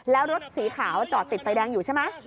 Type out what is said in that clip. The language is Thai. แล้วรถสีขาวจอดติดไฟแดงอยู่ใช่ไหม